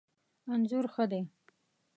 انځور ښه دی